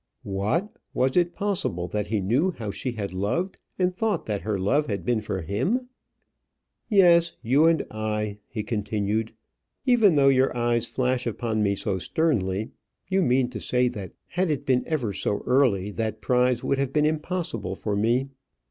What! was it possible that he knew how she had loved, and thought that her love had been for him! "Yes, you and I," he continued. "Even though your eyes flash upon me so sternly. You mean to say that had it been ever so early, that prize would have been impossible for me.